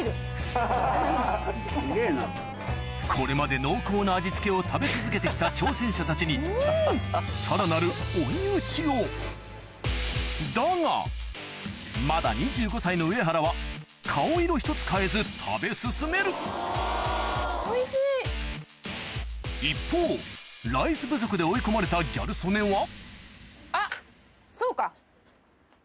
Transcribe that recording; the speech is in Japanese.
これまで濃厚な味付けを食べ続けて来た挑戦者たちにさらなる追い打ちをだがまだ２５歳の上原は顔色ひとつ変えず食べ進める一方ライス不足で追い込まれたギャル曽根はあっそうか。